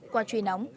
quả trùy nóng